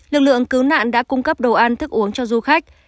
lực lượng cứu nạn đã cung cấp đồ ăn thức uống cho du khách